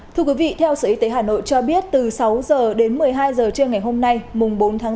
thưa quý vị theo sở y tế hà nội cho biết từ sáu h đến một mươi hai h trưa ngày hôm nay mùng bốn tháng bốn